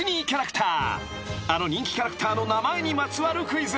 ［あの人気キャラクターの名前にまつわるクイズ］